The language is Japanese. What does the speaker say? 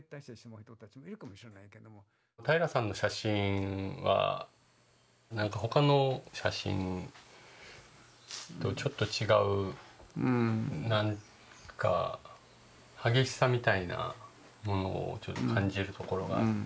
平良さんの写真は他の写真とちょっと違うなんか激しさみたいなものをちょっと感じるところがあって。